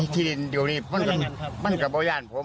ที่สุดคือผม